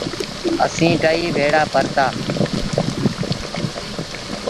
اسيٚݩ ٽئيٚ ڀيڙآ پڙهتآ۔